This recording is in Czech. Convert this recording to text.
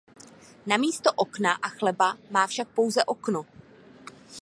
Namísto okna a chleba má však pouze okno.